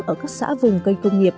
ở các xã vùng cây công nghiệp